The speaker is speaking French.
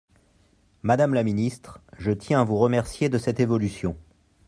Madame la ministre, je tiens à vous remercier de cette évolution.